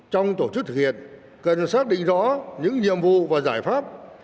trong tổ chức thực hiện cần xác định rõ những nhiệm vụ và giải pháp